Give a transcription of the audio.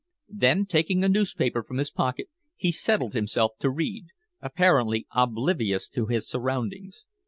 Then, taking a newspaper from his pocket, he settled himself to read, apparently oblivious to his surroundings.